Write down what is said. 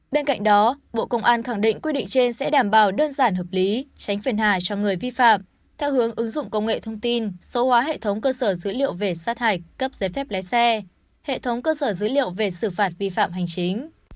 bên cạnh đó bộ công an khẳng định quy định trên sẽ đảm bảo đơn giản hợp lý tránh phiền hà cho người vi phạm theo hướng ứng dụng công nghệ thông tin số hóa hệ thống cơ sở dữ liệu về sát hạch cấp giấy phép lái xe hệ thống cơ sở dữ liệu về xử phạt vi phạm hành chính